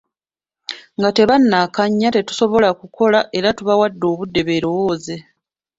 Nga tebannakkaanya tetusobola kukikola era tubawadde obudde beerowooze.